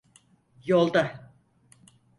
Yolda…